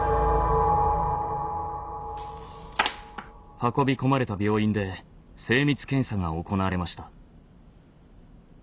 運び込まれた病院で精密検査が行われました。